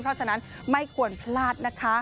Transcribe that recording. เพราะฉะนั้นไม่ควรพลาดนะคะ